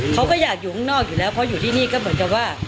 เขาก็อยากอยู่ข้างนอกอยู่แล้วเพราะอยู่ที่นี่ก็เหมือนกับว่า